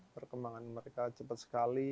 perkembangan mereka cepet sekali